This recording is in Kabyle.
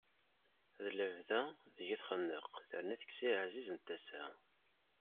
D lebda deg-i txenneq, terna tekkes-iyi aɛziz n tasa.